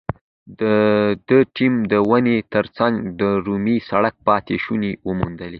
د ده ټیم د ونې تر څنګ د رومي سړک پاتې شونې وموندلې.